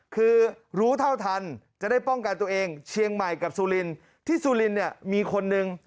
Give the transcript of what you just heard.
คือรู้เท่าทันจะได้ป้องกันตัวเองเชียงใหม่กับสุรินที่สุรินเนี่ยมีคนนึง